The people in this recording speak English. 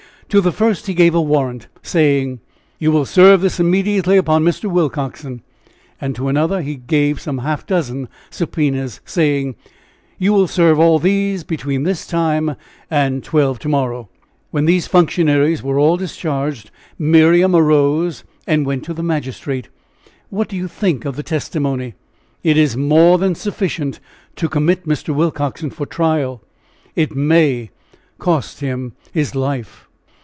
To the first he gave a warrant, saying: "You will serve this immediately upon Mr. Willcoxen." And to another he gave some half dozen subpoenas, saying: "You will serve all these between this time and twelve to morrow." When these functionaries were all discharged, Miriam arose and went to the magistrate. "What do you think of the testimony?" "It is more than sufficient to commit Mr. Willcoxen for trial; it may cost him his life."